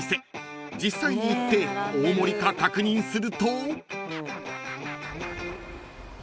［実際に行って大盛りか確認すると］